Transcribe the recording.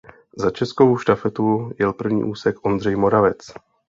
Za českou štafetu jel první úsek Ondřej Moravec.